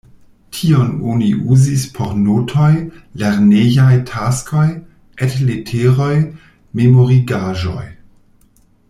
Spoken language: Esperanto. Tion oni uzis por notoj, lernejaj taskoj, et-leteroj, memorigaĵoj.